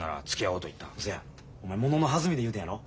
うそやお前ものの弾みで言うてんやろ？